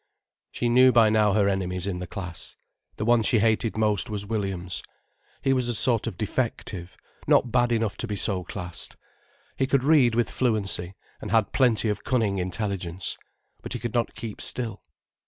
She knew by now her enemies in the class. The one she hated most was Williams. He was a sort of defective, not bad enough to be so classed. He could read with fluency, and had plenty of cunning intelligence. But he could not keep still.